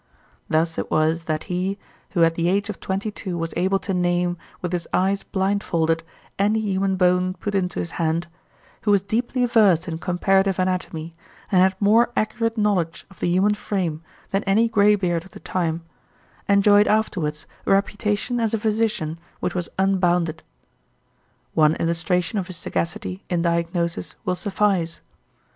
Thus it was that he, who at the age of twenty two was able to name, with his eyes blindfolded, any human bone put into his hand, who was deeply versed in comparative anatomy, and had more accurate knowledge of the human frame than any graybeard of the time, enjoyed afterwards a reputation as a physician which was unbounded. One illustration of his sagacity in diagnosis will suffice.